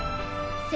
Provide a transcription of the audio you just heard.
せ